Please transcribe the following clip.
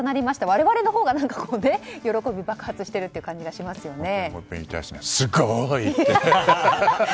我々のほうが喜び爆発しているという感じがしますよね。